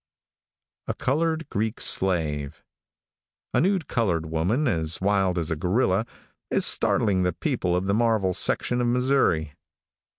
A COLORED GREEK SLATE. |A NUDE colored woman, as wild as a gorilla, startling the people of the Marvel section of Missouri.